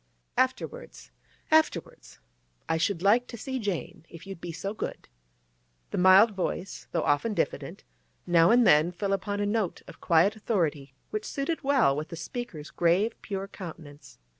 'Afterwards—afterwards. I should like to see Jane, if you'll be so good.' The mild voice, though often diffident, now and then fell upon a note of quiet authority which suited well with the speaker's grave, pure countenance.